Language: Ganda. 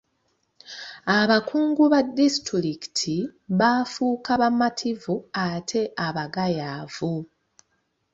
Abakungu ba disitulikiti baafuuka bamativu ate abagayaavu.